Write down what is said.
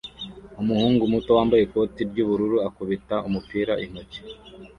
Umuhungu muto wambaye ikoti ry'ubururu akubita umupira inkoni